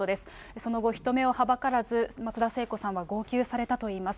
その後、人目をはばからず、松田聖子さんは号泣されたといいます。